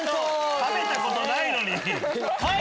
食べたことないのに！